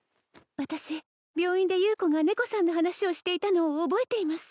私病院で優子が猫さんの話をしていたのを覚えています